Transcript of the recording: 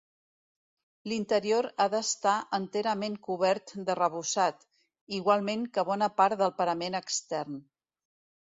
L'interior ha estat enterament cobert d'arrebossat, igualment que bona part del parament extern.